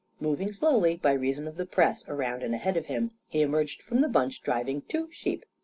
Moving slowly, by reason of the press around and ahead of him, he emerged from the bunch, driving two sheep.